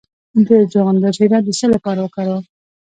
د چغندر شیره د څه لپاره وکاروم؟